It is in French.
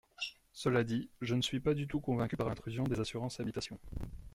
Cela dit, je ne suis pas du tout convaincue par l’intrusion des assurances habitation.